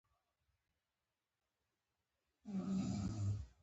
کوربه د زړه نه دعا کوي.